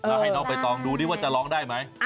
แล้วให้น้องไปตองดูได้ว่าจะร้องได้ไหม